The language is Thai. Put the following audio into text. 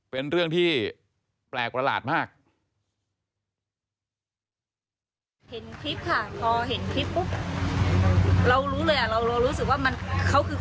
เป็นเรื่องที่แปลกประหลาดมาก